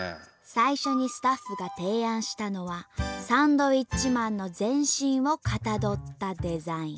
最初にスタッフが提案したのはサンドウィッチマンの全身をかたどったデザイン。